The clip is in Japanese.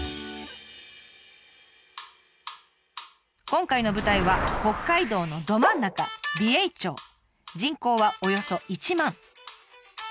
今回の舞台は北海道のど真ん中人口はおよそ１万。